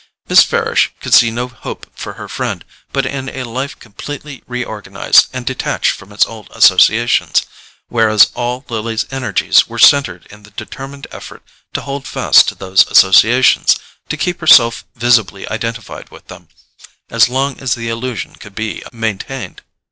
Miss Farish could see no hope for her friend but in a life completely reorganized and detached from its old associations; whereas all Lily's energies were centred in the determined effort to hold fast to those associations, to keep herself visibly identified with them, as long as the illusion could be maintained.